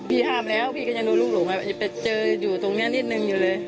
พี่ห้ามแล้วพี่ก็ยังดูลูกหลงไปเจออยู่ตรงนี้นิดนึงอยู่เลย